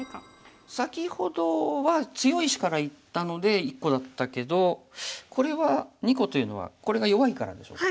先ほどは強い石からいったので１個だったけどこれは２個というのはこれが弱いからでしょうか。